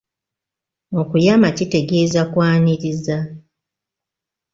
Okuyama kitegeeza kwaniriza.